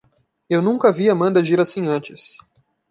Eu nunca vi Amanda agir assim antes.